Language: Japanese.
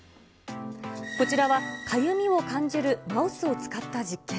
こちらはかゆみを感じるマウスを使った実験。